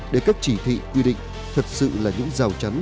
để các chỉ thị quy định thật sự là những rào chắn